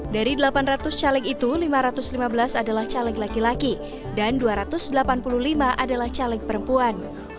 dari delapan ratus caleg itu lima ratus lima belas adalah caleg laki laki dan dua ratus delapan puluh lima adalah caleg perempuan